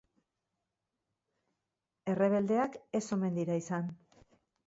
Errebeldeak ez omen dira izan.